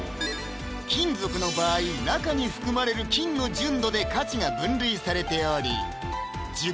金属の場合中に含まれる金の純度で価値が分類されており１０